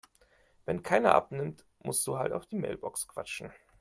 Wenn keiner abnimmt, musst du halt auf die Mailbox quatschen.